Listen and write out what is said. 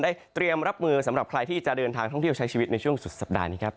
เตรียมรับมือสำหรับใครที่จะเดินทางท่องเที่ยวใช้ชีวิตในช่วงสุดสัปดาห์นี้ครับ